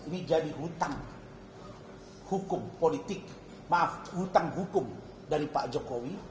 ini jadi hutang hukum politik maaf hutang hukum dari pak jokowi